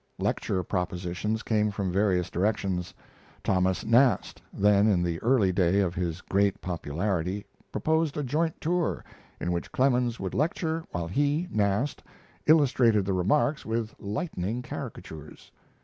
Lecture propositions came from various directions. Thomas Nast, then in the early day of his great popularity, proposed a joint tour, in which Clemens would lecture, while he, Nast, illustrated the remarks with lightning caricatures.